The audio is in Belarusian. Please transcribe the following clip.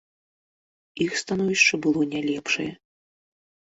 Іх становішча было не лепшае.